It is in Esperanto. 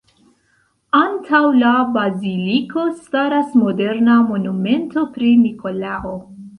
Antaŭ la baziliko staras moderna monumento pri Nikolao.